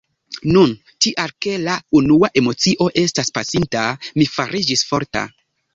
Nun, tial ke la unua emocio estas pasinta, mi fariĝis forta.